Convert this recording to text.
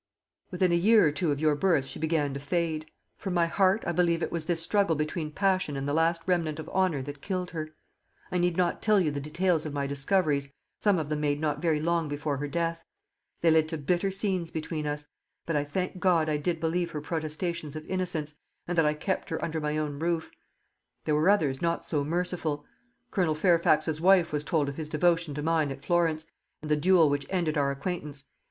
"Within a year or two of your birth she began to fade. From my heart I believe it was this struggle between passion and the last remnant of honour that killed her. I need not tell you the details of my discoveries, some of them made not very long before her death. They led to bitter scenes between us; but I thank God I did believe her protestations of innocence, and that I kept her under my own roof. There were others not so merciful. Colonel Fairfax's wife was told of his devotion to mine at Florence, and the duel which ended our acquaintance.